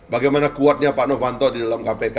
bagaimana kuatnya pak novanto di dalam kpk